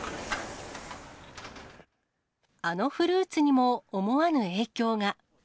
あのフルーツにも思わぬ影響が。